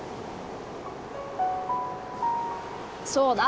そうだ。